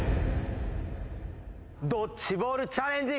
ドッジボールチャレンジ。